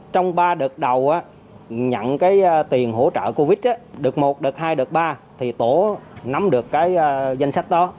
trong ba đợt đầu nhận cái tiền hỗ trợ covid được một đợt hai đợt ba thì tổ nắm được cái danh sách đó